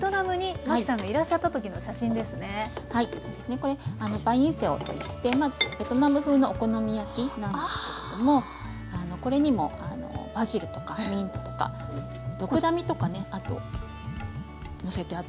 これバインセオといってベトナム風のお好み焼きなんですけれどもこれにもバジルとかミントとかドクダミとかねのせてあったりとか。